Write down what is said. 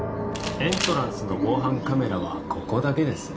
エントランスの防犯カメラはここだけですね？